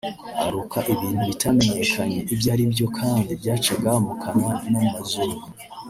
aruka ibintu bitamenyekanye ibyo ari byo kandi byacaga mu kanwa no mu mazuru